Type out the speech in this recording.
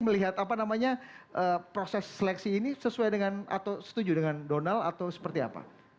melihat apa namanya proses seleksi ini sesuai dengan atau setuju dengan donald atau seperti apa